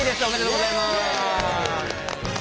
おめでとうございます。